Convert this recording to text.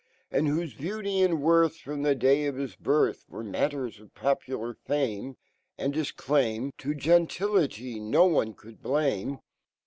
and whoje beauty and worth , Fromfhe day of hii birfh, "Were matters of po p u lar Tanrve , And hi5 claim TO gentility no one could blame